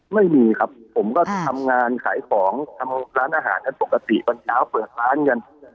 ไม่มีครับผมก็ทำงานขายของทำร้านอาหารกันปกติตอนเช้าเปิดร้านกัน